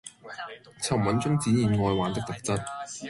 沉穩中展現愛玩的特質